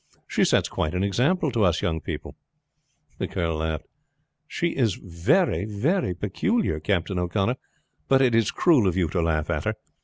"She sets quite an example to us young people." The girl laughed. "She is very peculiar, Captain O'Connor; but it is cruel of you to laugh at her.